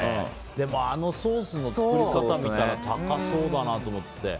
でもあのソースの作り方見たら高そうだなと思って。